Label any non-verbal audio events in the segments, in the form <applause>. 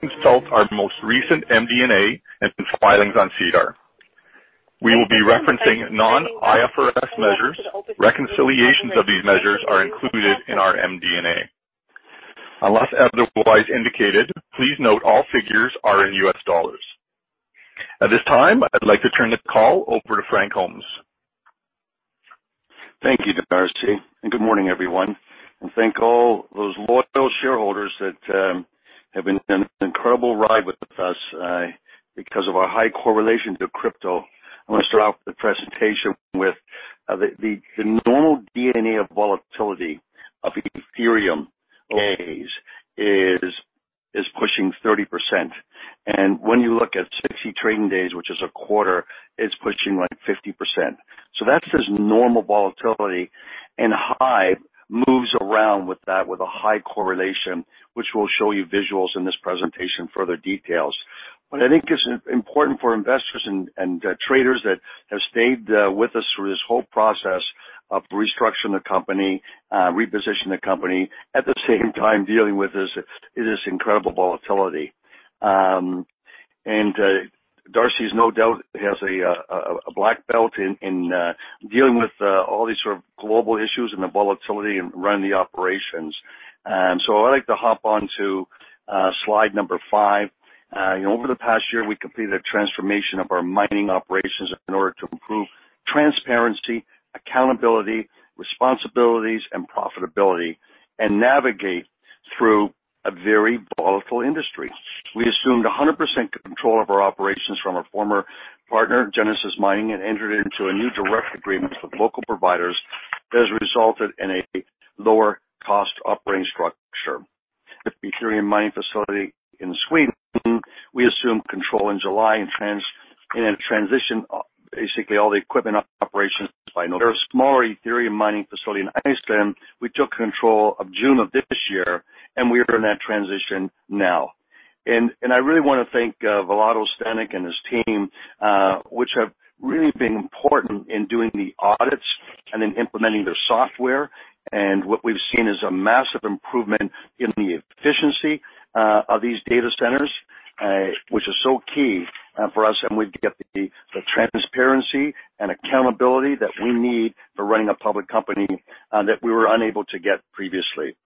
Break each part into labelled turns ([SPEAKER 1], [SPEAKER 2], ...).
[SPEAKER 1] consult our most recent MD&A and filings on SEDAR. We will be referencing non-IFRS measures. Reconciliations of these measures are included in our MD&A. Unless otherwise indicated, please note all figures are in U.S. dollars. At this time, I'd like to turn the call over to Frank Holmes.
[SPEAKER 2] Thank you, Darcy, good morning, everyone. Thank all those loyal shareholders that have been on an incredible ride with us because of our high correlation to crypto. I'm going to start off the presentation with the normal DNA of volatility of Ethereum days is pushing 30%. When you look at 60 trading days, which is a quarter, it's pushing 50%. That's just normal volatility, and HIVE moves around with that with a high correlation, which we'll show you visuals in this presentation, further details. What I think is important for investors and traders that have stayed with us through this whole process of restructuring the company, repositioning the company, at the same time dealing with this incredible volatility. Darcy's no doubt has a black belt in dealing with all these sort of global issues and the volatility and running the operations. I'd like to hop onto slide number five. Over the past year, we completed a transformation of our mining operations in order to improve transparency, accountability, responsibilities, and profitability, and navigate through a very volatile industry. We assumed 100% control of our operations from our former partner, Genesis Mining, and entered into a new direct agreement with local providers that has resulted in a lower cost operating structure. The Ethereum mining facility in Sweden, we assumed control in July and then transitioned basically all the equipment operations by November. Our smaller Ethereum mining facility in Iceland, we took control of June of this year, and we are in that transition now. I really want to thank Vlado Stenic and his team, which have really been important in doing the audits and in implementing their software. What we've seen is a massive improvement in the efficiency of these data centers, which is so key for us, and we get the transparency and accountability that we need for running a public company that we were unable to get previously.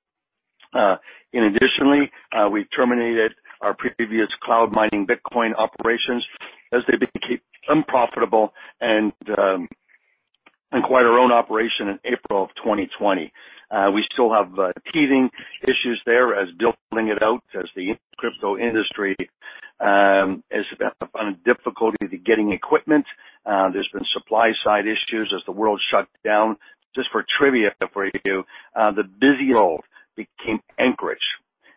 [SPEAKER 2] Additionally, we terminated our previous cloud mining Bitcoin operations as they became unprofitable and quit our own operation in April of 2020. We still have teething issues there as dealing it out as the crypto industry has found difficulty getting equipment. There's been supply side issues as the world shut down. Just for trivia for you, the busiest road became Anchorage,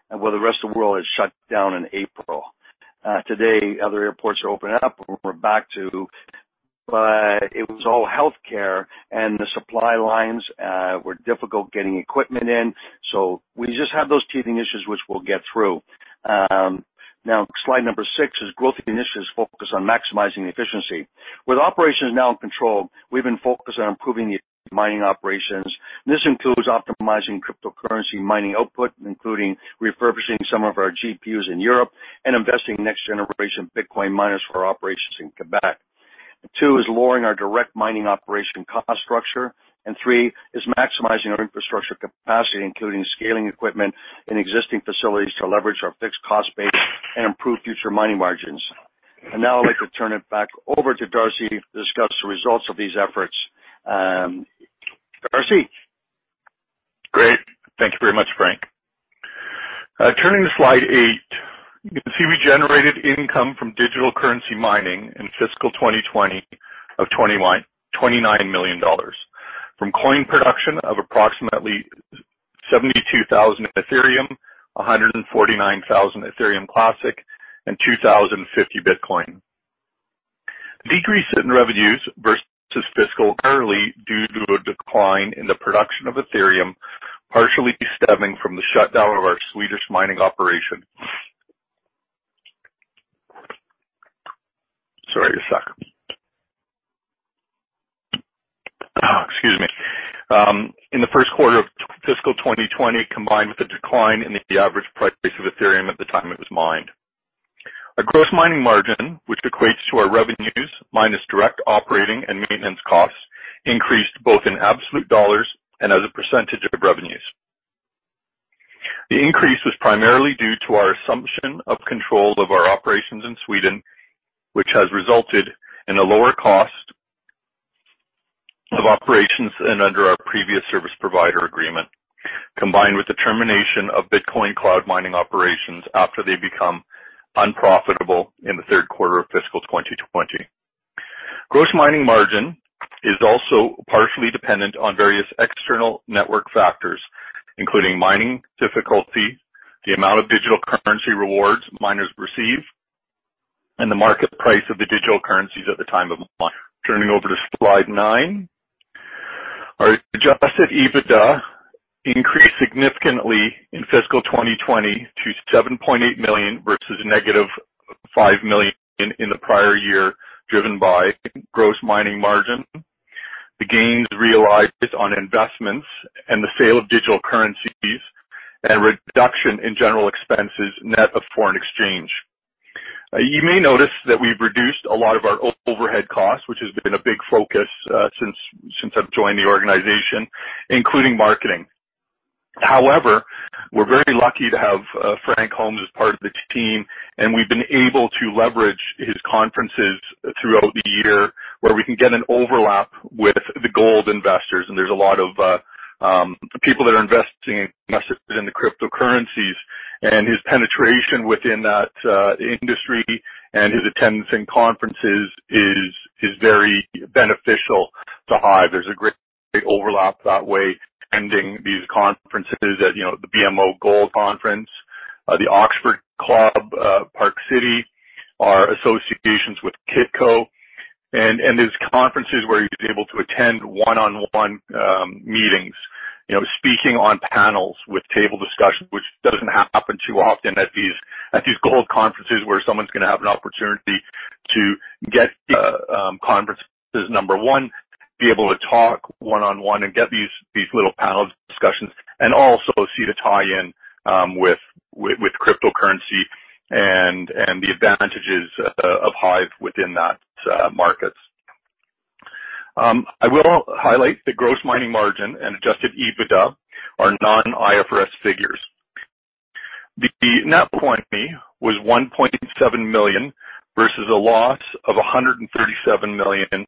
[SPEAKER 2] and where the rest of the world had shut down in April. Today, other airports are opening up. It was all healthcare and the supply lines were difficult getting equipment in. We just have those teething issues, which we'll get through. Slide number six is growth initiatives focused on maximizing efficiency. With operations now in control, we've been focused on improving the mining operations, and this includes optimizing cryptocurrency mining output, including refurbishing some of our GPUs in Europe and investing in next generation Bitcoin miners for our operations in Quebec. Two, is lowering our direct mining operation cost structure, and three is maximizing our infrastructure capacity, including scaling equipment in existing facilities to leverage our fixed cost base and improve future mining margins. Now I'd like to turn it back over to Darcy to discuss the results of these efforts. Darcy?
[SPEAKER 1] Great. Thank you very much, Frank. Turning to slide eight, you can see we generated income from digital currency mining in fiscal 2020 of $29 million from coin production of approximately 72,000 Ethereum, 149,000 Ethereum Classic, and 2,050 Bitcoin. A decrease in revenues versus fiscal early due to a decline in the production of Ethereum, partially stemming from the shutdown of our Swedish mining operation. Sorry, a sec. Excuse me. In the first quarter of fiscal 2020, combined with the decline in the average price of Ethereum at the time it was mined. Our gross mining margin, which equates to our revenues minus direct operating and maintenance costs, increased both in absolute dollars and as a percentage of revenues. The increase was primarily due to our assumption of control of our operations in Sweden, which has resulted in a lower cost of operations than under our previous service provider agreement, combined with the termination of Bitcoin cloud mining operations after they become unprofitable in the third quarter of fiscal 2020. Gross mining margin is also partially dependent on various external network factors, including mining difficulty, the amount of digital currency rewards miners receive, and the market price of the digital currencies at the time of mine. Turning over to slide nine. Our adjusted EBITDA increased significantly in fiscal 2020 to $7.8 million, versus -$5 million in the prior year, driven by gross mining margin, the gains realized is on investments and the sale of digital currencies and reduction in general expenses net of foreign exchange. You may notice that we've reduced a lot of our overhead costs, which has been a big focus since I've joined the organization, including marketing. However, we're very lucky to have Frank Holmes as part of the team, and we've been able to leverage his conferences throughout the year where we can get an overlap with the gold investors. There's a lot of people that are investing in cryptocurrencies, and his penetration within that industry and his attendance in conferences is very beneficial to HIVE. There's a great overlap that way, attending these conferences at the BMO Gold Conference, the Oxford Club, Park City, our associations with Kitco, and these conferences where he's able to attend one-on-one meetings, speaking on panels with table discussions, which doesn't happen too often at these gold conferences where someone's going to have an opportunity to get conferences, number one, be able to talk one-on-one and get these little panel discussions, and also see to tie in with cryptocurrency and the advantages of HIVE within that markets. I will highlight the gross mining margin and adjusted EBITDA are non-IFRS figures. The net <inaudible> was $1.7 million versus a loss of $137 million in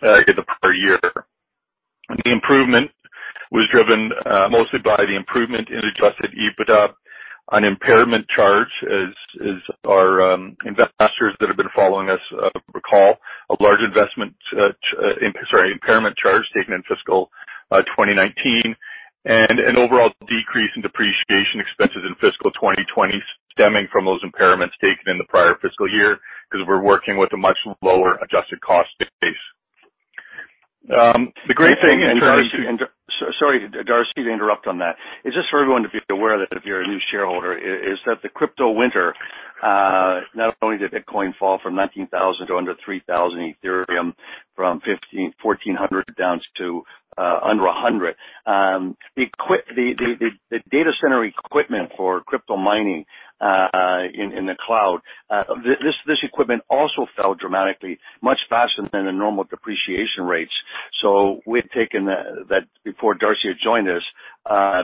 [SPEAKER 1] the prior year. The improvement was driven mostly by the improvement in adjusted EBITDA, an impairment charge as our investors that have been following us recall, a large investment, sorry, impairment charge taken in fiscal 2019, and an overall decrease in depreciation expenses in fiscal 2020 stemming from those impairments taken in the prior fiscal year because we're working with a much lower adjusted cost base.
[SPEAKER 2] Sorry, Darcy, to interrupt on that. It's just for everyone to be aware that if you're a new shareholder, is that the crypto winter, not only did Bitcoin fall from $19,000 to under $3,000, Ethereum from $1,400 down to under $100. The data center equipment for crypto mining in the cloud this equipment also fell dramatically, much faster than the normal depreciation rates. We've taken that before Darcy had joined us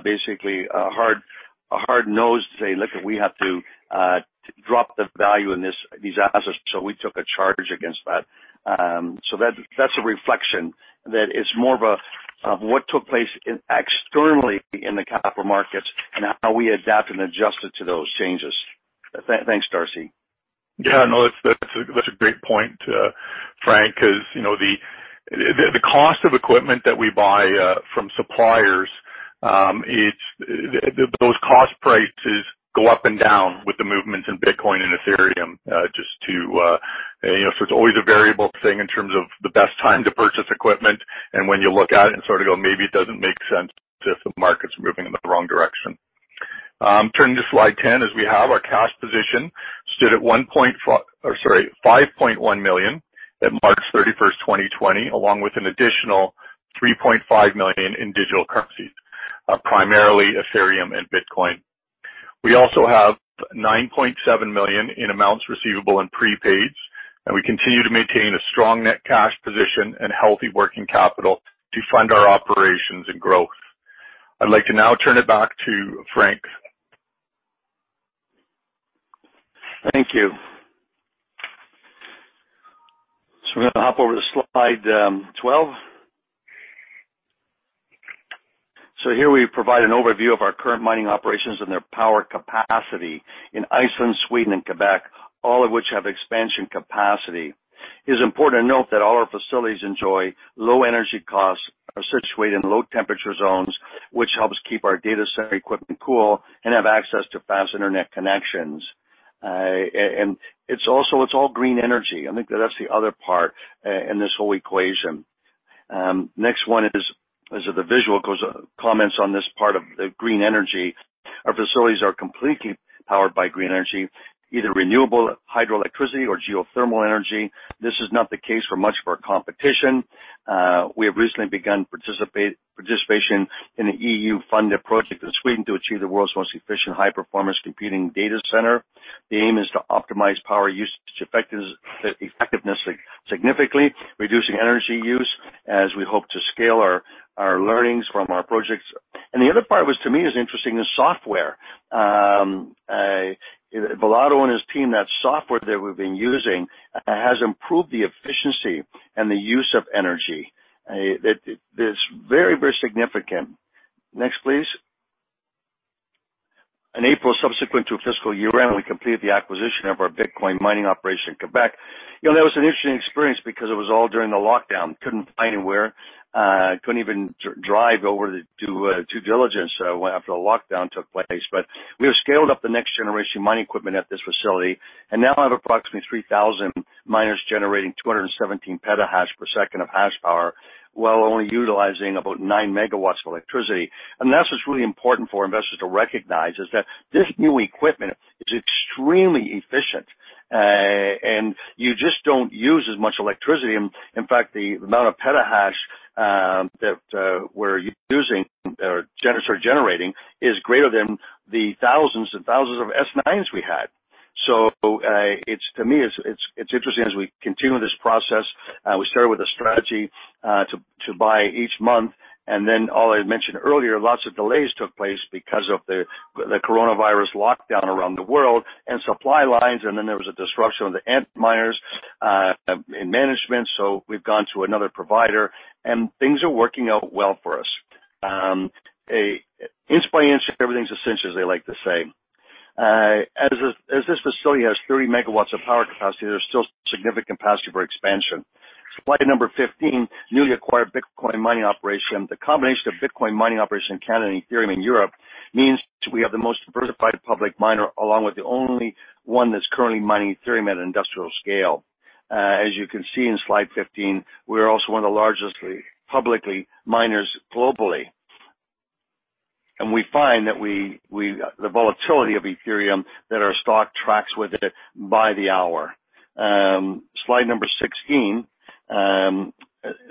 [SPEAKER 2] basically a hard nose to say, "Look, we have to drop the value in these assets." We took a charge against that. That's a reflection that it's more of a what took place externally in the capital markets and how we adapt and adjusted to those changes. Thanks, Darcy.
[SPEAKER 1] Yeah, no, that's a great point, Frank, because the cost of equipment that we buy from suppliers those cost prices go up and down with the movements in Bitcoin and Ethereum. It's always a variable thing in terms of the best time to purchase equipment and when you look at it and sort of go, maybe it doesn't make sense if the market's moving in the wrong direction. Turning to slide 10, as we have our cash position stood at $5.1 million at March 31st, 2020, along with an additional $3.5 million in digital currencies, primarily Ethereum and Bitcoin. We also have $9.7 million in amounts receivable and prepaids, and we continue to maintain a strong net cash position and healthy working capital to fund our operations and growth. I'd like to now turn it back to Frank.
[SPEAKER 2] Thank you. We're going to hop over to slide 12. Here we provide an overview of our current mining operations and their power capacity in Iceland, Sweden and Quebec, all of which have expansion capacity. It is important to note that all our facilities enjoy low energy costs, are situated in low temperature zones, which helps keep our data center equipment cool and have access to fast internet connections. It's all green energy. I think that's the other part in this whole equation. Next one is the visual comments on this part of the green energy. Our facilities are completely powered by green energy, either renewable hydroelectricity or geothermal energy. This is not the case for much of our competition. We have recently begun participation in an EU-funded project in Sweden to achieve the world's most efficient high-performance computing data center. The aim is to optimize power usage effectiveness, significantly reducing energy use as we hope to scale our learnings from our projects. The other part was to me is interesting is software. Vlado and his team, that software that we've been using has improved the efficiency and the use of energy. That is very significant. Next, please. In April subsequent to fiscal year-end, we completed the acquisition of our Bitcoin mining operation in Quebec. That was an interesting experience because it was all during the lockdown. We couldn't fly anywhere. We couldn't even drive over to due diligence after the lockdown took place. We have scaled up the next generation mining equipment at this facility, and now have approximately 3,000 miners generating 217 PH/s per second of hash power while only utilizing about 9 MW of electricity. That's what's really important for investors to recognize is that this new equipment is extremely efficient, and you just don't use as much electricity. In fact, the amount of petahash that we're using or generating is greater than the thousands and thousands of S9s we had. To me, it's interesting as we continue this process. We started with a strategy to buy each month. Then as I mentioned earlier, lots of delays took place because of the coronavirus lockdown around the world and supply lines. Then there was a disruption with the Antminers in management. We've gone to another provider. Things are working out well for us. Inch by inch, everything's a cinch, as they like to say. This facility has 30 MW of power capacity, there's still significant capacity for expansion. Slide number 15, newly acquired Bitcoin mining operation. The combination of Bitcoin mining operation in Canada and Ethereum in Europe means we have the most diversified public miner, along with the only one that's currently mining Ethereum at an industrial scale. As you can see in slide 15, we are also one of the largest publicly miners globally. We find that the volatility of Ethereum, that our stock tracks with it by the hour. Slide number 16.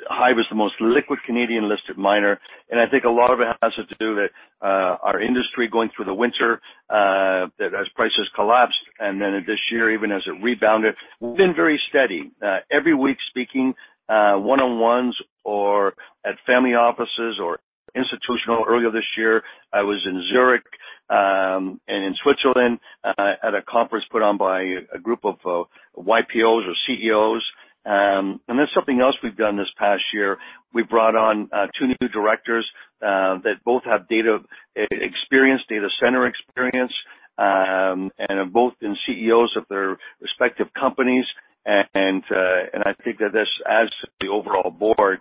[SPEAKER 2] HIVE is the most liquid Canadian-listed miner, and I think a lot of it has to do with our industry going through the winter, as prices collapsed, and then this year, even as it rebounded. We've been very steady. Every week speaking one-on-ones or at family offices or institutional. Earlier this year, I was in Zurich and in Switzerland at a conference put on by a group of YPOs or CEOs. There's something else we've done this past year. We brought on two new directors, that both have data experience, data center experience, and have both been CEOs of their respective companies. I think that this adds to the overall board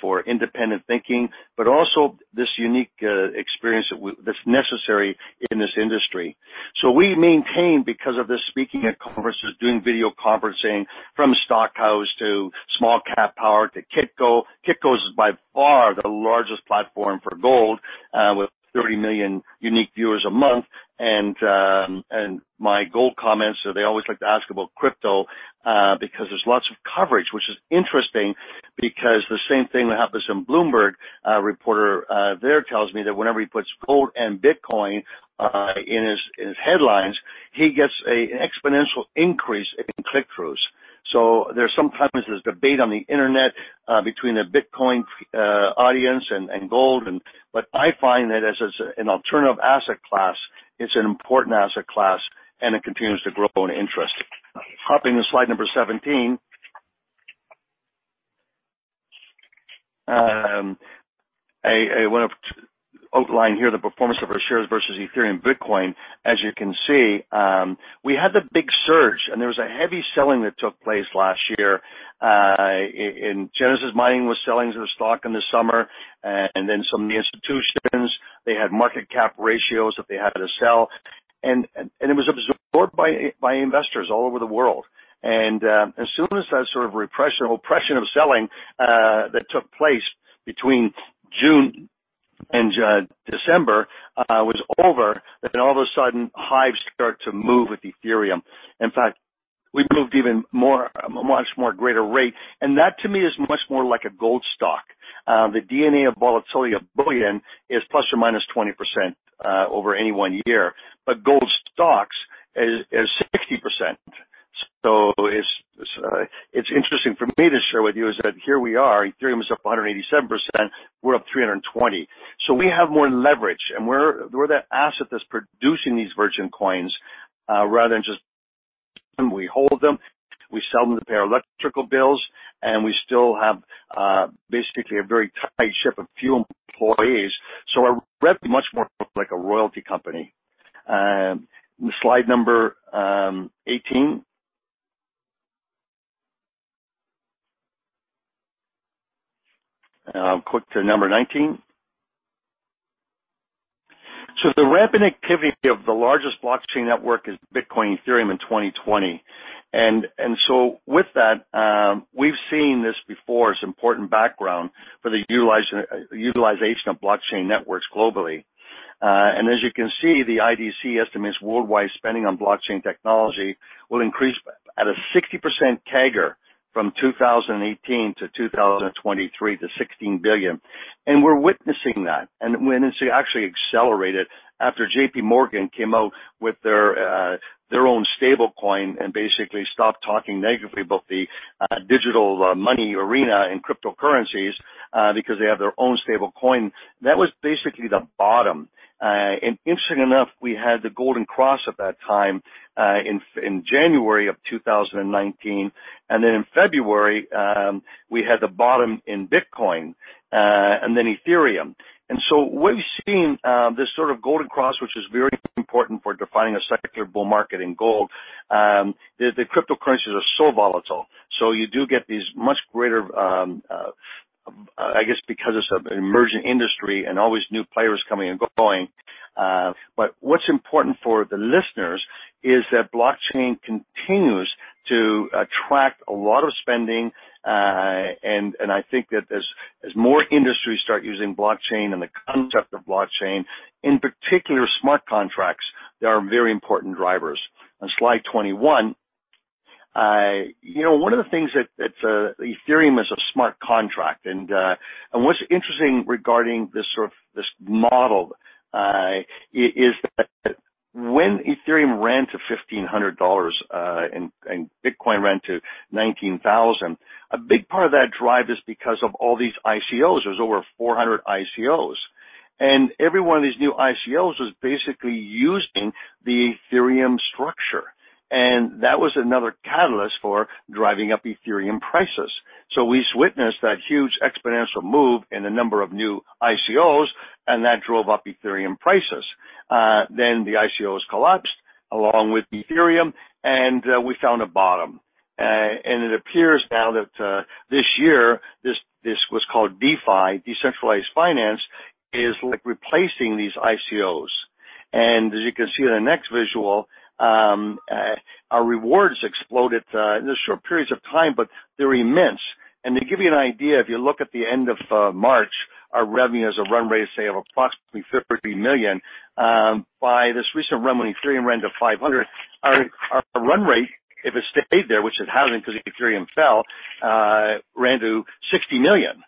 [SPEAKER 2] for independent thinking, but also this unique experience that's necessary in this industry. We maintain, because of the speaking at conferences, doing video conferencing from Stockhouse to Small Cap Power to Kitco. Kitco is by far the largest platform for gold, with 30 million unique viewers a month. My gold comments, they always like to ask about crypto, because there's lots of coverage, which is interesting because the same thing that happens in Bloomberg, a reporter there tells me that whenever he puts gold and Bitcoin in his headlines, he gets an exponential increase in click-throughs. Sometimes there's debate on the internet between the Bitcoin audience and gold. I find that as an alternative asset class, it's an important asset class and it continues to grow in interest. Hopping to slide number 17. I want to outline here the performance of our shares versus Ethereum and Bitcoin. As you can see, we had the big surge, there was a heavy selling that took place last year. Genesis Mining was selling their stock in the summer, then some of the institutions, they had market cap ratios that they had to sell. It was absorbed by investors all over the world. As soon as that sort of repression, oppression of selling that took place between June and December was over, then all of a sudden, HIVE started to move with Ethereum. In fact, we moved even more, a much more greater rate. That to me is much more like a gold stock. The DNA of volatility of bullion is ±20% over any one year. Gold stocks is 60%. It's interesting for me to share with you, is that here we are, Ethereum is up 187%, we're up 320%. We have more leverage, and we're the asset that's producing these virgin coins, rather than just, we hold them, we sell them to pay our electrical bills, and we still have basically a very tight ship of few employees. We're much more like a royalty company. Slide number 18. Click to number 19. The rapid activity of the largest blockchain network is Bitcoin and Ethereum in 2020. With that, we've seen this before as important background for the utilization of blockchain networks globally. As you can see, the IDC estimates worldwide spending on blockchain technology will increase at a 60% CAGR from 2018 to 2023 to $16 billion. We're witnessing that. Witness it actually accelerated after JPMorgan came out with their own stablecoin and basically stopped talking negatively about the digital money arena and cryptocurrencies because they have their own stablecoin. That was basically the bottom. Interestingly enough, we had the golden cross at that time, in January of 2019. In February, we had the bottom in Bitcoin, then Ethereum. We've seen this sort of golden cross, which is very important for defining a secular bull market in gold. The cryptocurrencies are so volatile, so you do get these much greater I guess because it's an emerging industry and always new players coming and going. What's important for the listeners is that blockchain continues to attract a lot of spending, and I think that as more industries start using blockchain and the concept of blockchain, in particular, smart contracts, they are very important drivers. On slide 21. One of the things that Ethereum is a smart contract, and what's interesting regarding this model is that when Ethereum ran to $1,500 and Bitcoin ran to $19,000, a big part of that drive is because of all these ICOs. There was over 400 ICOs. Every one of these new ICOs was basically using the Ethereum structure. That was another catalyst for driving up Ethereum prices. We witnessed that huge exponential move in the number of new ICOs, and that drove up Ethereum prices. The ICOs collapsed along with Ethereum, and we found a bottom. It appears now that this year, this what's called DeFi, decentralized finance, is replacing these ICOs. As you can see in the next visual, our rewards exploded in the short periods of time, but they're immense. To give you an idea, if you look at the end of March, our revenue as a run rate is, say, of approximately $30 million. By this recent run when Ethereum ran to $500, our run rate, if it stayed there, which it hasn't because Ethereum fell, ran to $60 million+.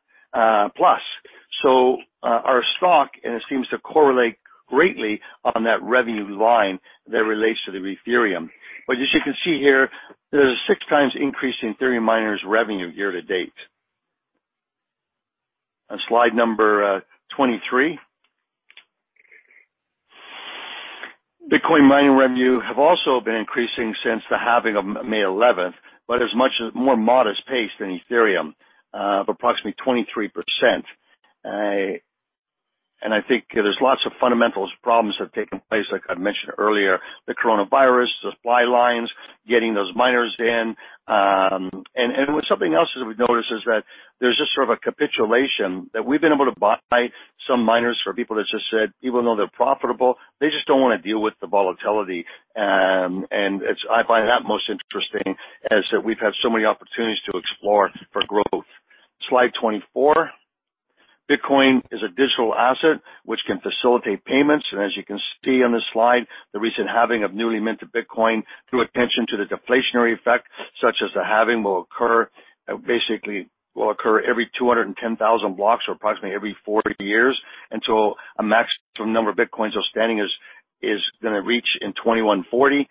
[SPEAKER 2] Our stock seems to correlate greatly on that revenue line that relates to the Ethereum. As you can see here, there's a 6x increase in Ethereum miners' revenue year to date. On slide number 23. Bitcoin mining revenue have also been increasing since the halving of May 11th, but at a much more modest pace than Ethereum, of approximately 23%. I think there's lots of fundamentals problems that have taken place, like I mentioned earlier, the coronavirus, supply lines, getting those miners in. What's something else that we've noticed is that there's this sort of a capitulation that we've been able to buy some miners for people that just said, even though they're profitable, they just don't want to deal with the volatility. I find that most interesting, is that we've had so many opportunities to explore for growth. Slide 24. Bitcoin is a digital asset which can facilitate payments. As you can see on this slide, the recent halving of newly minted Bitcoin drew attention to the deflationary effect, such as the halving will occur every 210,000 blocks, or approximately every 40 years, until a maximum number of Bitcoins outstanding is going to reach in 2140.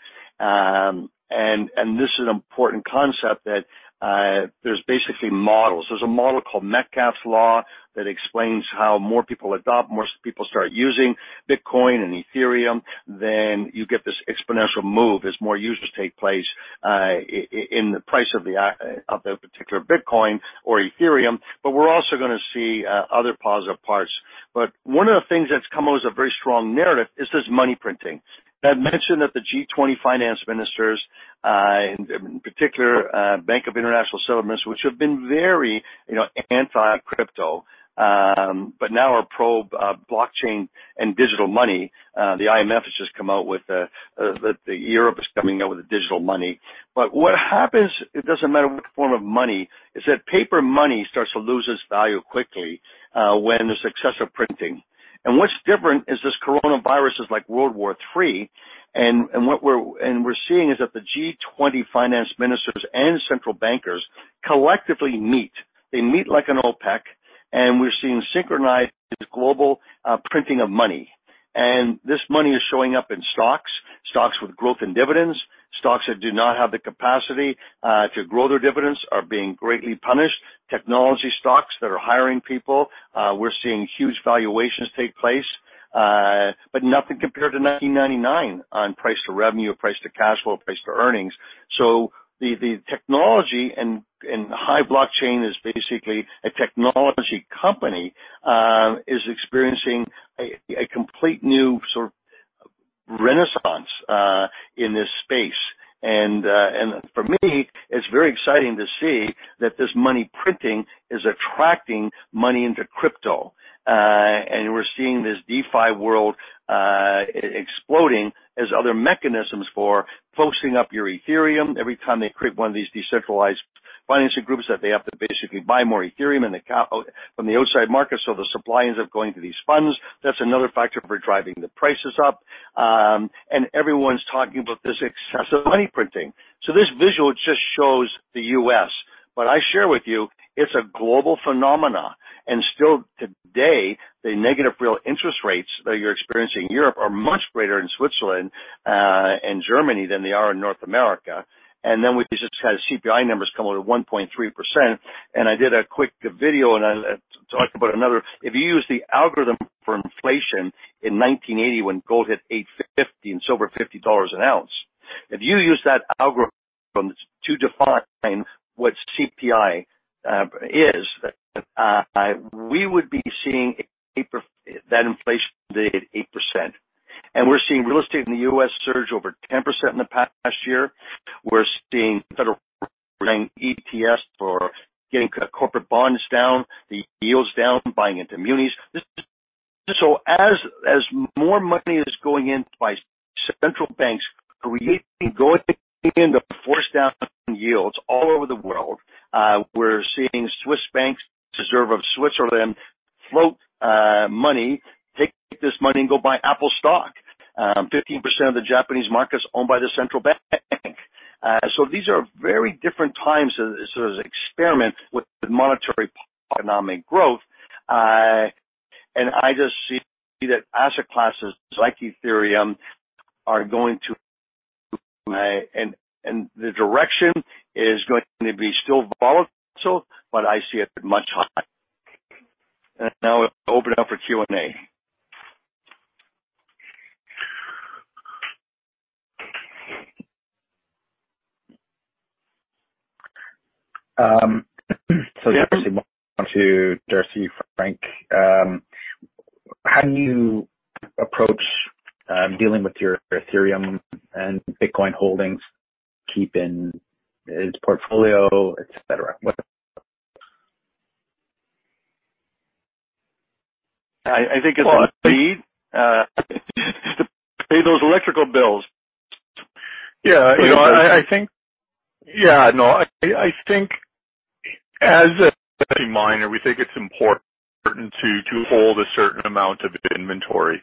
[SPEAKER 2] This is an important concept that there's basically models. There's a model called Metcalfe's Law that explains how more people adopt, more people start using Bitcoin and Ethereum. You get this exponential move as more users take place in the price of the particular Bitcoin or Ethereum. We're also going to see other positive parts. One of the things that's come out as a very strong narrative is this money printing. I've mentioned that the G20 finance ministers, in particular Bank for International Settlements, which have been very anti-crypto, but now are pro-blockchain and digital money. The IMF has just come out with Europe is coming out with digital money. What happens, it doesn't matter what form of money, is that paper money starts to lose its value quickly when there's excessive printing. What's different is this coronavirus is like World War III, and we're seeing is that the G20 finance ministers and central bankers collectively meet. They meet like an OPEC, we're seeing synchronized global printing of money. This money is showing up in stocks with growth and dividends. Stocks that do not have the capacity to grow their dividends are being greatly punished. Technology stocks that are hiring people, we're seeing huge valuations take place. Nothing compared to 1999 on price to revenue, price to cash flow, price to earnings. The technology, and HIVE Digital Technologies is basically a technology company, is experiencing a complete new sort of renaissance in this space. For me, it's very exciting to see that this money printing is attracting money into crypto. We're seeing this DeFi world exploding as other mechanisms for posting up your Ethereum every time they create one of these decentralized financing groups that they have to basically buy more Ethereum from the outside market, so the supply ends up going to these funds. That's another factor for driving the prices up. Everyone's talking about this excessive money printing. This visual just shows the U.S., but I share with you, it's a global phenomena. Still today, the negative real interest rates that you're experiencing in Europe are much greater in Switzerland and Germany than they are in North America. We just had CPI numbers come out at 1.3%, and I did a quick video, and I talked about another. If you use the algorithm for inflation in 1980 when gold hit $850 and silver $50 an ounce, if you use that algorithm to define what CPI is, we would be seeing that inflation at 8%. We're seeing real estate in the U.S. surge over 10% in the past year. We're seeing federal buying ETFs for getting corporate bonds down, the yields down, buying into munis. As more money is going in by central banks creating force down yields all over the world. We're seeing Swiss banks, Reserve of Switzerland float money, take this money and go buy Apple stock. 15% of the Japanese market is owned by the central bank. These are very different times as an experiment with monetary economic growth. I just see that asset classes like Ethereum the direction is going to be still volatile, but I see it much higher. Now we open it up for Q&A.
[SPEAKER 3] This is more to Darcy, Frank. How do you approach dealing with your Ethereum and Bitcoin holdings, keeping its portfolio, et cetera?
[SPEAKER 2] I think it's to pay those electrical bills.
[SPEAKER 1] I think as a miner, we think it's important to hold a certain amount of inventory,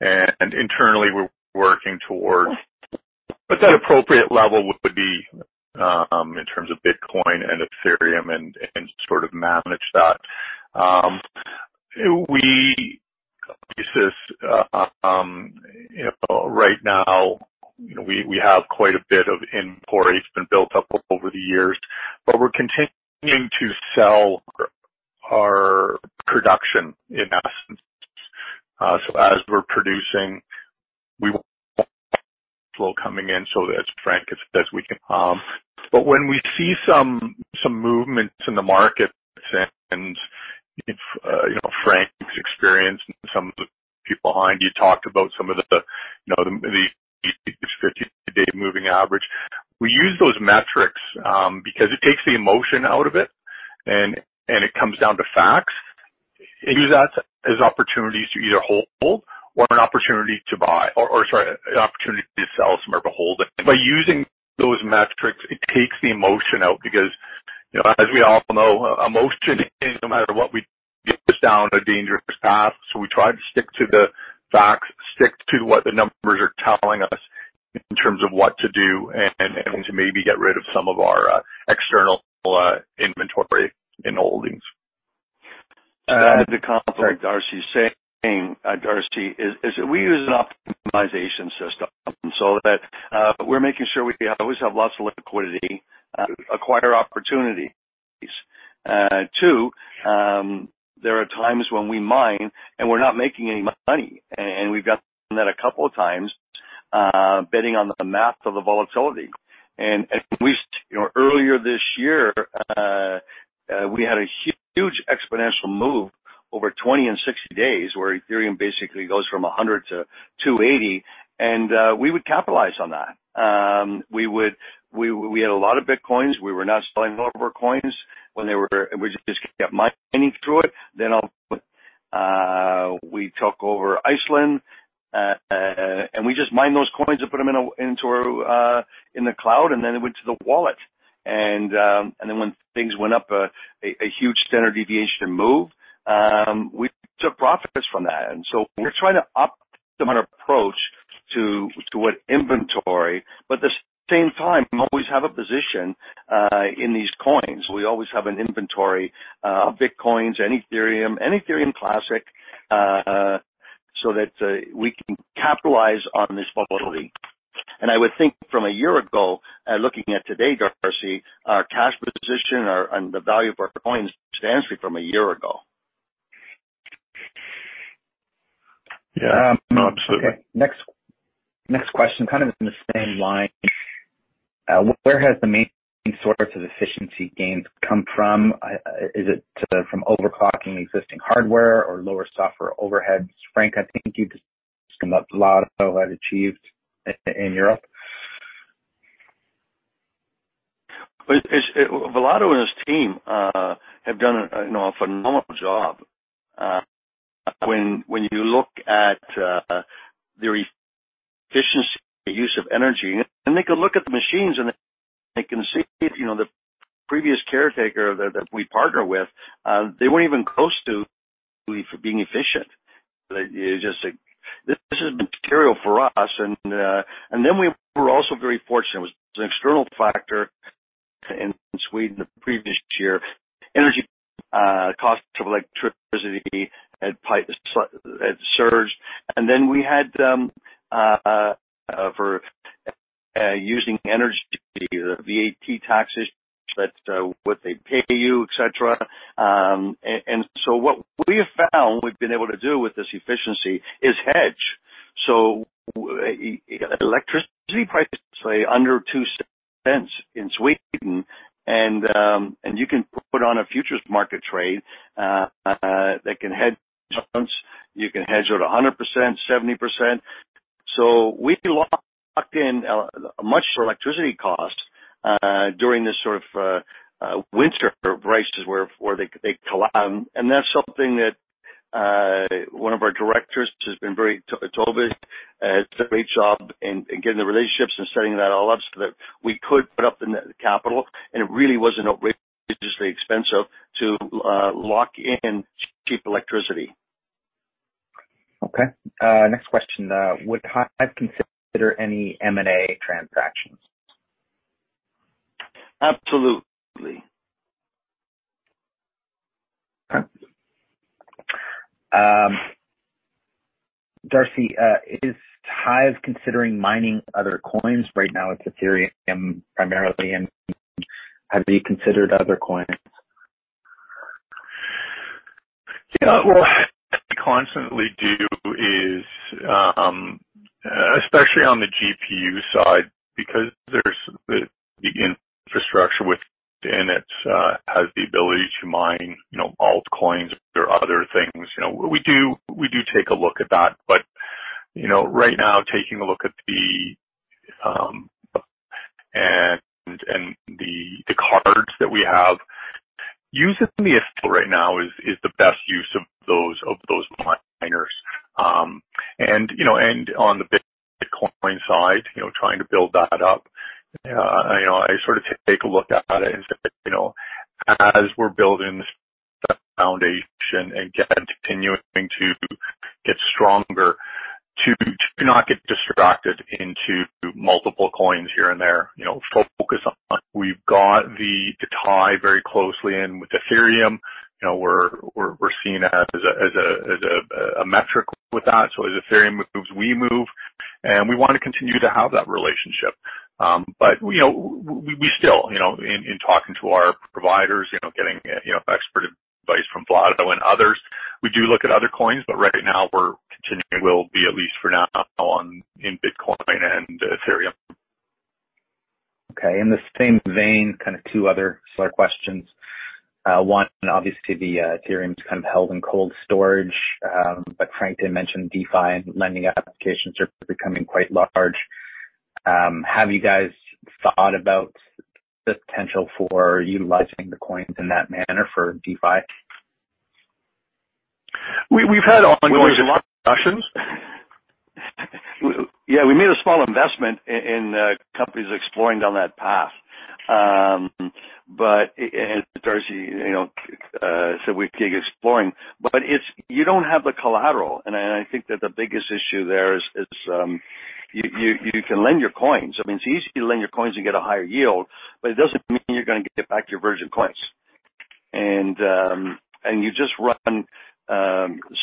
[SPEAKER 1] and internally we're working towards what that appropriate level would be in terms of Bitcoin and Ethereum and sort of manage that. Right now, we have quite a bit of inventory. It's been built up over the years, but we're continuing to sell our production in essence. As we're producing, we flow coming in. When we see some movements in the markets and if Frank's experience and some of the people behind you talked about some of the 50-day moving average. We use those metrics because it takes the emotion out of it and it comes down to facts. Use that as opportunities to either hold or an opportunity to buy or, sorry, an opportunity to sell some or hold it. By using those metrics, it takes the emotion out because as we all know, emotion, no matter what we get this down a dangerous path. We try to stick to the facts, stick to what the numbers are telling us in terms of what to do and to maybe get rid of some of our external inventory in holdings.
[SPEAKER 2] To add to conflict Darcy's saying, Darcy, is, we use an optimization system so that we're making sure we always have lots of liquidity, acquire opportunities. Two. There are times when we mine and we're not making any money, and we've done that a couple of times, betting on the math of the volatility. Earlier this year we had a huge exponential move over 20 and 60 days where Ethereum basically goes from 100 to 280 and we would capitalize on that. We had a lot of Bitcoins. We were not selling all of our coins. We just kept mining through it. We took over Iceland, we just mined those coins and put them in the cloud, then it went to the wallet. When things went up, a huge standard deviation move, we took profits from that. We're trying to optimize our approach to what inventory, but at the same time, we always have a position in these coins. We always have an inventory of Bitcoins and Ethereum, and Ethereum Classic, so that we can capitalize on this volatility. I would think from a year ago, looking at today, Darcy, our cash position and the value of our coins stands from a year ago.
[SPEAKER 1] Yeah, absolutely.
[SPEAKER 3] Okay. Next question, kind of in the same line. Where has the main source of efficiency gains come from? Is it from overclocking existing hardware or lower software overheads? Frank, I think you've spoken about a lot of had achieved in Europe.
[SPEAKER 2] Vlado and his team have done a phenomenal job. When you look at their efficiency use of energy and they can look at the machines and they can see the previous caretaker that we partner with, they weren't even close to for being efficient. This has been material for us. We were also very fortunate. It was an external factor in Sweden the previous year. Energy costs of electricity had surged. We had for using energy, the VAT taxes that what they pay you, et cetera. What we have found we've been able to do with this efficiency is hedge. Electricity prices under $0.02 in Sweden. You can put on a futures market trade that can hedge. You can hedge it 100%, 70%. We locked in a much electricity cost during this sort of winter prices where they collapsed. That's something that one of our directors, Toby has a great job in getting the relationships and setting that all up so that we could put up the capital, and it really wasn't outrageously expensive to lock in cheap electricity.
[SPEAKER 3] Next question. Would HIVE consider any M&A transactions?
[SPEAKER 2] Absolutely.
[SPEAKER 3] Okay. Darcy, is HIVE considering mining other coins? Right now it's Ethereum primarily, and have you considered other coins?
[SPEAKER 1] Yeah. Well, what we constantly do is, especially on the GPU side, because there's the infrastructure within it, has the ability to mine altcoins or other things. We do take a look at that, but right now, taking a look at the cards that we have, using the Ether right now is the best use of those miners. On the Bitcoin side, trying to build that up, I take a look at it and say, as we're building that foundation and continuing to get stronger, to not get distracted into multiple coins here and there. Focus on what we've got, the tie very closely in with Ethereum. We're seen as a metric with that. As Ethereum moves, we move, and we want to continue to have that relationship. We still, in talking to our providers, getting expert advice from Vlado and others, we do look at other coins, but right now we're continuing. We'll be at least for now on in Bitcoin and Ethereum.
[SPEAKER 3] Okay. In the same vein, kind of two other similar questions. One, obviously the Ethereum is kind of held in cold storage. Frank did mention DeFi and lending applications are becoming quite large. Have you guys thought about the potential for utilizing the coins in that manner for DeFi?
[SPEAKER 1] We've had ongoing discussions.
[SPEAKER 2] Yeah, we made a small investment in companies exploring down that path. As Darcy said, we keep exploring. I think that the biggest issue there is, you can lend your coins. I mean, it's easy to lend your coins and get a higher yield, but it doesn't mean you're going to get back your virgin coins. You just run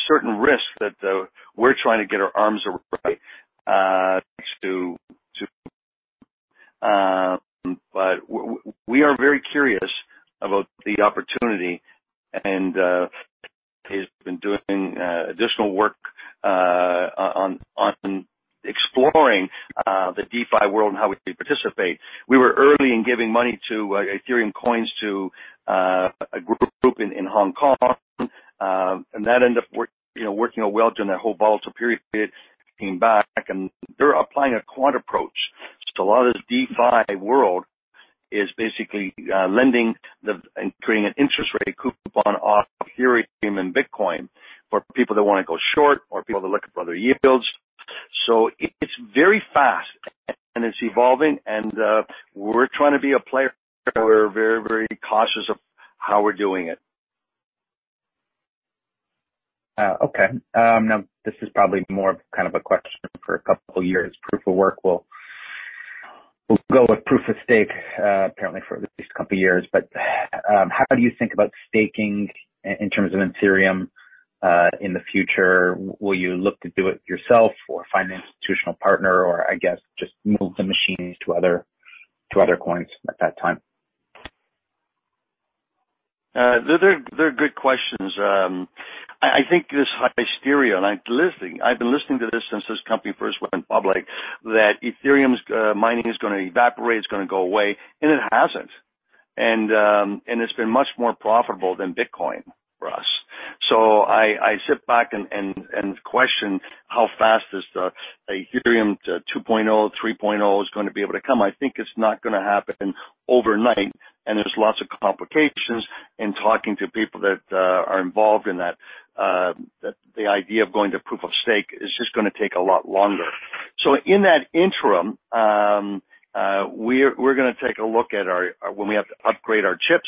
[SPEAKER 2] certain risks that we're trying to get our arms around next to, but we are very curious about the opportunity and have been doing additional work on exploring the DeFi world and how we participate. We were early in giving money to Ethereum coins to a group in Hong Kong. That ended up working out well during that whole volatile period came back, and they're applying a quant approach. A lot of this DeFi world is basically lending and creating an interest rate coupon off Ethereum and Bitcoin for people that want to go short or people that are looking for other yields. It's very fast, and it's evolving, and we're trying to be a player. We're very, very cautious of how we're doing it.
[SPEAKER 3] Okay. This is probably more of a question for a couple of years. Proof of work will go with proof of stake, apparently for at least a couple of years. How do you think about staking in terms of Ethereum in the future? Will you look to do it yourself or find an institutional partner, or I guess just move the machines to other coins at that time?
[SPEAKER 2] They're good questions. I think this hysteria, and I've been listening to this since this company first went public, that Ethereum's mining is going to evaporate, it's going to go away, it hasn't. It's been much more profitable than Bitcoin for us. I sit back and question how fast this Ethereum 2.0, 3.0 is going to be able to come. I think it's not going to happen overnight, and there's lots of complications in talking to people that are involved in that. The idea of going to proof of stake is just going to take a lot longer. In that interim, we're going to take a look at when we have to upgrade our chips.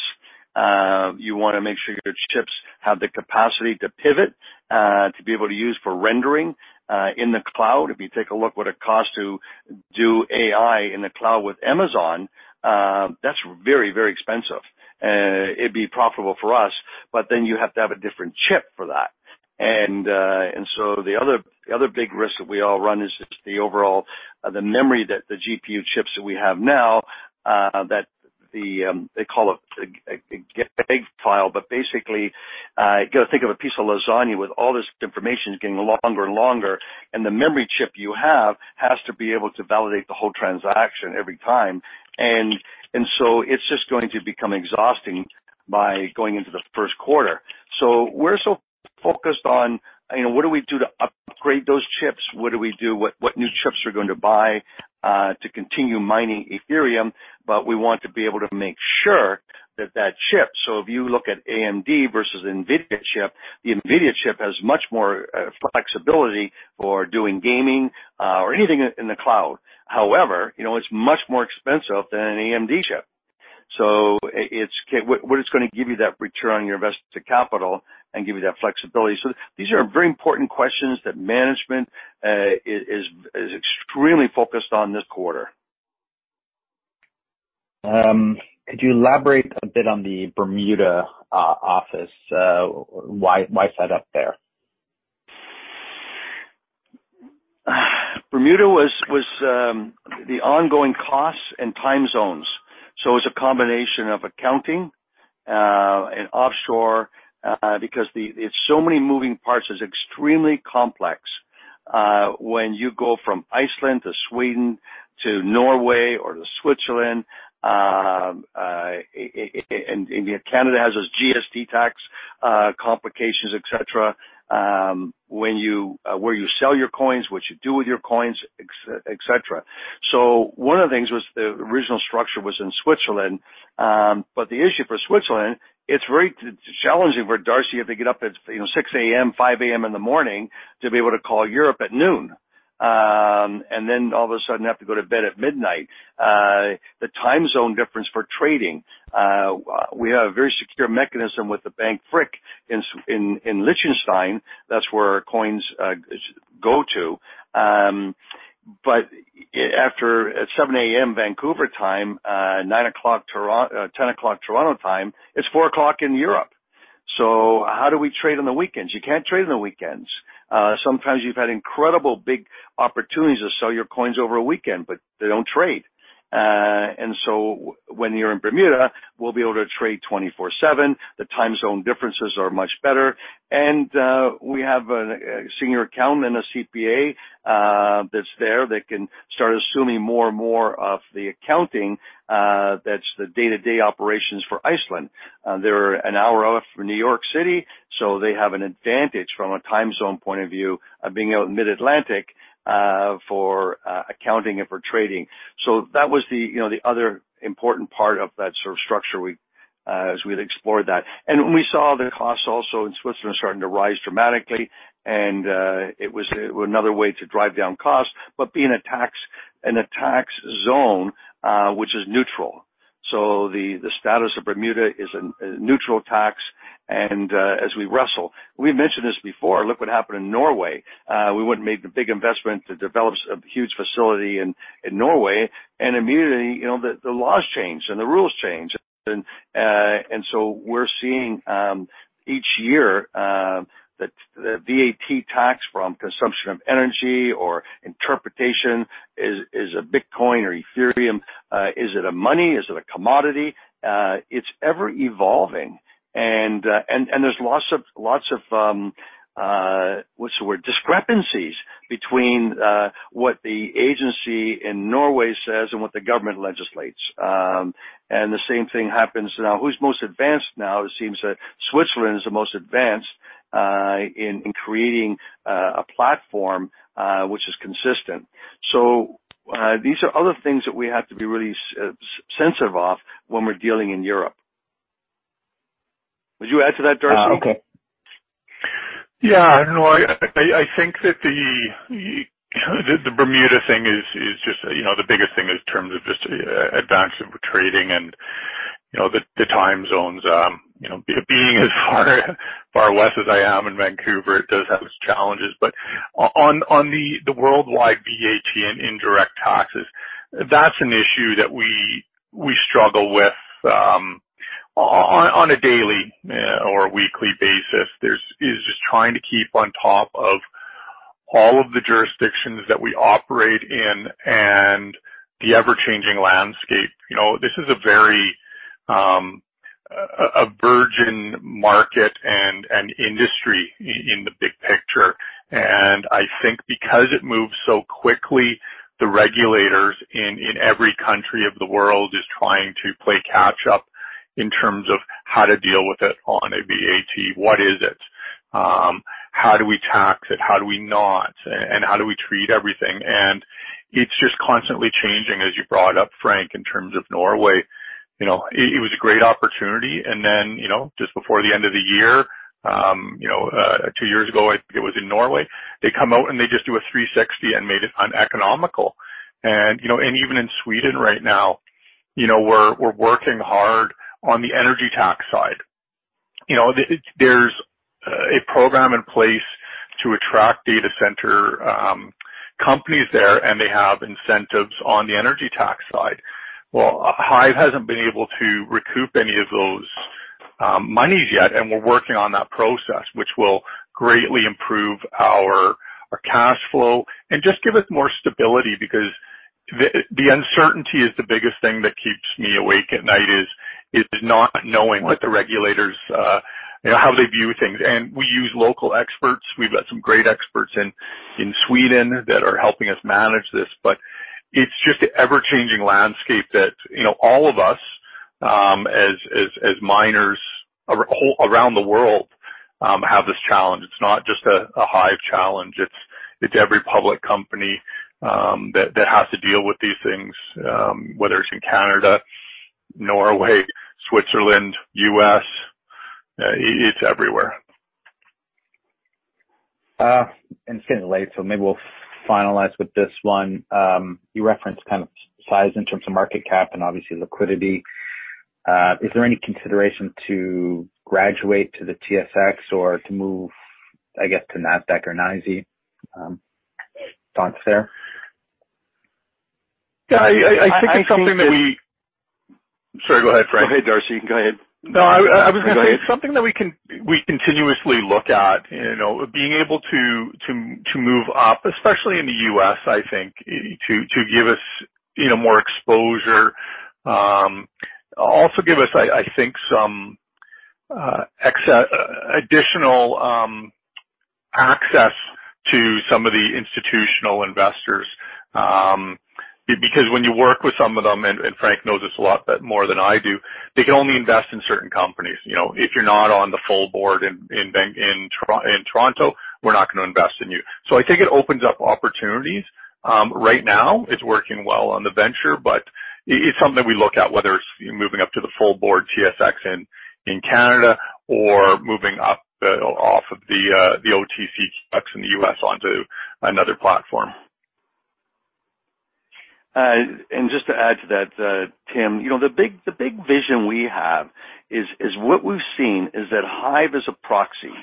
[SPEAKER 2] You want to make sure your chips have the capacity to pivot, to be able to use for rendering in the cloud. You take a look what it costs to do AI in the cloud with Amazon, that's very, very expensive. It'd be profitable for us, you have to have a different chip for that. The other big risk that we all run is just the overall, the memory that the GPU chips that we have now, they call it a DAG file. Basically, you got to think of a piece of lasagna with all this information is getting longer and longer, and the memory chip you have has to be able to validate the whole transaction every time. It's just going to become exhausting by going into the first quarter. We're so focused on what do we do to upgrade those chips? What do we do? What new chips we're going to buy, to continue mining Ethereum, but we want to be able to make sure that chip. If you look at AMD versus NVIDIA chip, the NVIDIA chip has much more flexibility for doing gaming or anything in the cloud. However, it's much more expensive than an AMD chip. What it's going to give you that return on your invested capital and give you that flexibility? These are very important questions that management is extremely focused on this quarter.
[SPEAKER 3] Could you elaborate a bit on the Bermuda office? Why set up there?
[SPEAKER 2] Bermuda was the ongoing costs and time zones. It's a combination of accounting, and offshore, because it's so many moving parts, it's extremely complex. When you go from Iceland to Sweden to Norway or to Switzerland, and Canada has its GST tax complications, et cetera, where you sell your coins, what you do with your coins, et cetera. One of the things was the original structure was in Switzerland. The issue for Switzerland, it's very challenging for Darcy. They get up at 6:00 AM, 5:00 AM in the morning to be able to call Europe at noon. All of a sudden have to go to bed at midnight. The time zone difference for trading. We have a very secure mechanism with the Bank Frick in Liechtenstein. That's where our coins go to. At 7:00 A.M. Vancouver time, 10:00 A.M. Toronto time, it's 4:00 P.M. in Europe. How do we trade on the weekends? You can't trade on the weekends. Sometimes you've had incredible, big opportunities to sell your coins over a weekend, but they don't trade. When you're in Bermuda, we'll be able to trade 24/7. The time zone differences are much better. We have a senior accountant and a CPA that's there that can start assuming more and more of the accounting that's the day-to-day operations for Iceland. They're one hour off from New York City, so they have an advantage from a time zone point of view of being out in Mid-Atlantic for accounting and for trading. That was the other important part of that sort of structure as we'd explored that. When we saw the costs also in Switzerland starting to rise dramatically, and it was another way to drive down costs, but be in a tax zone which is neutral. The status of Bermuda is a neutral tax, as we wrestle. We mentioned this before, look what happened in Norway. We went and made the big investment to develop a huge facility in Norway. Immediately, the laws changed, and the rules changed. We're seeing each year, the VAT tax from consumption of energy or interpretation. Is a Bitcoin or Ethereum, is it a money? Is it a commodity? It's ever evolving. There's lots of, what's the word, discrepancies between what the agency in Norway says and what the government legislates. The same thing happens now. Who's most advanced now? It seems that Switzerland is the most advanced in creating a platform which is consistent. These are other things that we have to be really sensitive of when we're dealing in Europe. Would you add to that, Darcy?
[SPEAKER 1] Yeah. No, I think that the Bermuda thing is just the biggest thing in terms of just advantage of trading and the time zones. Being as far west as I am in Vancouver, it does have its challenges, but on the worldwide VAT and indirect taxes, that is an issue that we struggle with on a daily or weekly basis, is just trying to keep on top of all of the jurisdictions that we operate in and the ever-changing landscape. This is a very, a virgin market and industry in the big picture. I think because it moves so quickly, the regulators in every country of the world is trying to play catch up in terms of how to deal with it on a VAT. What is it? How do we tax it? How do we not? How do we treat everything? It's just constantly changing, as you brought up, Frank, in terms of Norway. It was a great opportunity, and then just before the end of the year, two years ago, I think it was in Norway, they come out and they just do a 360 and made it uneconomical. Even in Sweden right now, we're working hard on the energy tax side. There's a program in place to attract data center companies there, and they have incentives on the energy tax side. Well, HIVE hasn't been able to recoup any of those monies yet, and we're working on that process, which will greatly improve our cash flow and just give us more stability because the uncertainty is the biggest thing that keeps me awake at night, is not knowing what the regulators, how they view things. We use local experts. We've got some great experts in Sweden that are helping us manage this. It's just an ever-changing landscape that all of us, as miners around the world have this challenge. It's not just a HIVE challenge. It's every public company that has to deal with these things, whether it's in Canada, Norway, Switzerland, U.S., it's everywhere.
[SPEAKER 3] It's getting late, so maybe we'll finalize with this one. You referenced size in terms of market cap and obviously liquidity. Is there any consideration to graduate to the TSX or to move, I guess, to NASDAQ or NYSE? Thoughts there?
[SPEAKER 2] Yeah. I think it's something that.
[SPEAKER 1] Sorry, go ahead, Frank.
[SPEAKER 2] No, go ahead, Darcy. You can go ahead.
[SPEAKER 1] No, I was going to say, it's something that we continuously look at, being able to move up, especially in the U.S., I think, to give us more exposure. Also give us, I think, some additional access to some of the institutional investors. Because when you work with some of them, and Frank knows this a lot more than I do, they can only invest in certain companies. If you're not on the full board in Toronto, we're not going to invest in you. I think it opens up opportunities. Right now it's working well on the venture, but it's something we look at, whether it's moving up to the full board TSX in Canada or moving up off of the OTCQX in the U.S. onto another platform.
[SPEAKER 2] Just to add to that, Tim, the big vision we have is what we've seen is that HIVE is a proxy.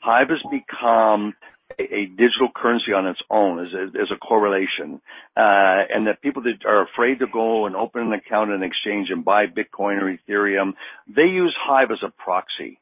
[SPEAKER 2] HIVE has become a digital currency on its own, as a correlation. That people that are afraid to go and open an account in an exchange and buy Bitcoin or Ethereum, they use HIVE as a proxy.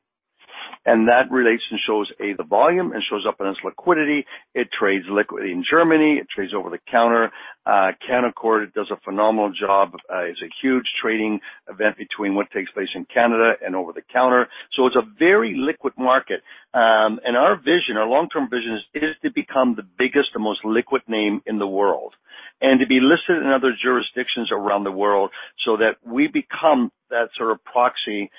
[SPEAKER 2] That relates and shows, A, the volume, and shows up in its liquidity. It trades liquidity in Germany. It trades over the counter. Canaccord does a phenomenal job. It's a huge trading event between what takes place in Canada and over the counter. It's a very liquid market. Our vision, our long-term vision, is to become the biggest and most liquid name in the world, and to be listed in other jurisdictions around the world so that we become that sort of proxy.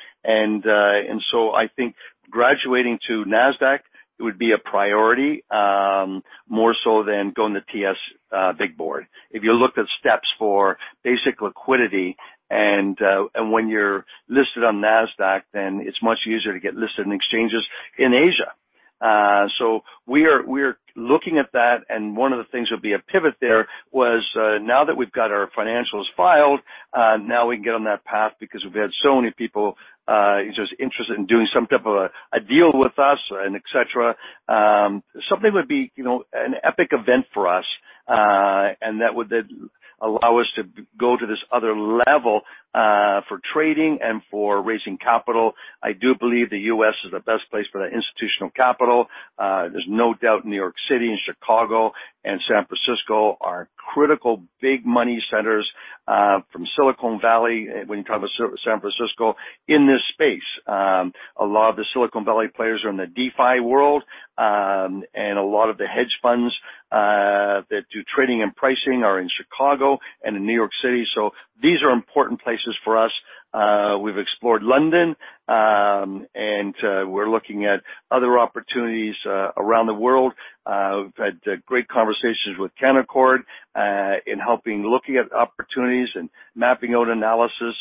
[SPEAKER 2] I think graduating to NASDAQ would be a priority, more so than going the TS big board. If you looked at steps for basic liquidity, and when you're listed on NASDAQ, then it's much easier to get listed in exchanges in Asia. We are looking at that, and one of the things that'll be a pivot there was, now that we've got our financials filed, now we can get on that path because we've had so many people just interested in doing some type of a deal with us and et cetera. Something would be an epic event for us, and that would then allow us to go to this other level, for trading and for raising capital. I do believe the U.S. is the best place for that institutional capital. There's no doubt New York City and Chicago and San Francisco are critical big money centers, from Silicon Valley, when you talk about San Francisco, in this space. A lot of the Silicon Valley players are in the DeFi world. A lot of the hedge funds that do trading and pricing are in Chicago and in New York City. These are important places for us. We've explored London. We're looking at other opportunities around the world. We've had great conversations with Canaccord, in helping looking at opportunities and mapping out analysis.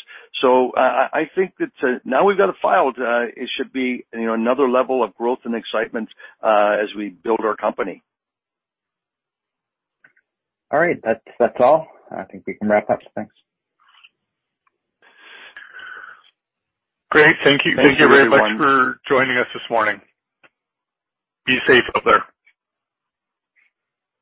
[SPEAKER 2] I think that now we've got it filed, it should be another level of growth and excitement as we build our company.
[SPEAKER 3] All right. That's all. I think we can wrap up. Thanks.
[SPEAKER 1] Great. Thank you.
[SPEAKER 2] Thank you, everyone.
[SPEAKER 1] Thank you very much for joining us this morning. Be safe out there.